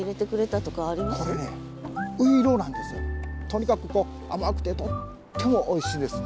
とにかく甘くてとってもおいしいんです。